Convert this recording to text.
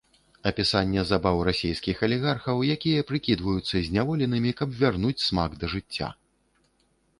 Апісанне забаў расейскіх алігархаў, якія прыкідваюцца зняволенымі, каб вярнуць смак да жыцця.